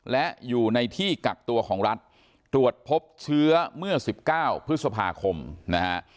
และอยู่ในที่กักตัวของรัฐตรวจพบเชื้อเมื่อ๑๙พฤษภาคมนะฮะ